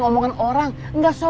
apa ada kaitannya dengan hilangnya sena